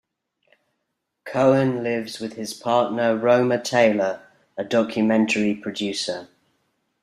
Cohen lives with his partner Roma Taylor, a documentary producer.